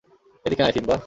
এদিকে আয়, সিম্বা!